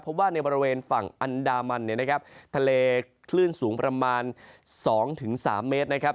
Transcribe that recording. เพราะว่าในบริเวณฝั่งอันดามันเนี่ยนะครับทะเลคลื่นสูงประมาณ๒๓เมตรนะครับ